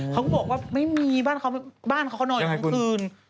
เขาบอกว่าไม่มีบ้านเขานอนอยู่ตอนกลางคืน